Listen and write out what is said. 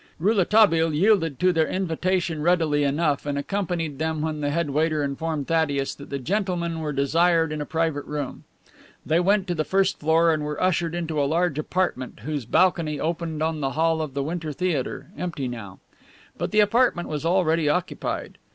Rouletabille yielded to their invitation readily enough, and accompanied them when the head waiter informed Thaddeus that the gentlemen were desired in a private room. They went to the first floor and were ushered into a large apartment whose balcony opened on the hall of the winter theater, empty now. But the apartment was already occupied.